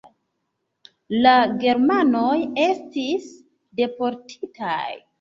La germanoj estis deportitaj.